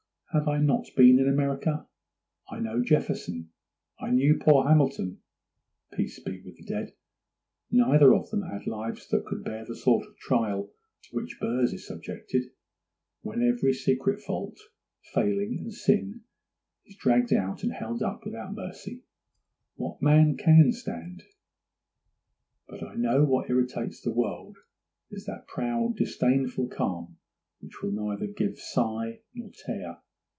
Have I not been in America? I know Jefferson; I knew poor Hamilton—peace be with the dead! Neither of them had lives that could bear the sort of trial to which Burr's is subjected. When every secret fault, failing, and sin is dragged out and held up without mercy, what man can stand? 'But I know what irritates the world is that proud, disdainful calm which will neither give sigh nor tear.